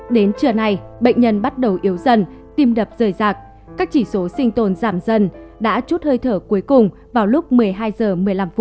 đến trưa nay bệnh nhân bắt đầu yếu dần tim đập rời rạc các chỉ số sinh tồn giảm dần đã chút hơi thở cuối cùng vào lúc một mươi hai h một mươi năm